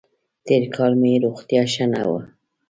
تېر کال مې روغتیا ښه نه وه.